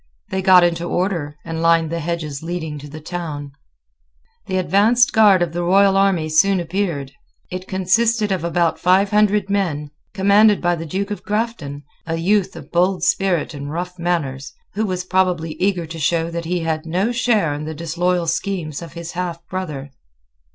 They got into order, and lined the hedges leading to the town. The advanced guard of the royal army soon appeared. It consisted of about five hundred men, commanded by the Duke of Grafton, a youth of bold spirit and rough manners, who was probably eager to show that he had no share in the disloyal schemes of his half brother.